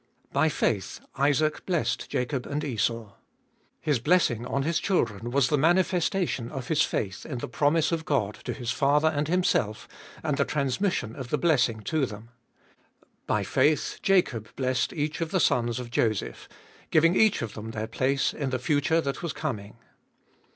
By faith Isaac blessed Jacob and Esau. His blessing on his children was the manifestation of his faith in the promise of God to his father and himself, and the transmission of the blessing to them. By faith Jacob blessed each of the sons of Joseph, giving each of them their place in the future that was coming.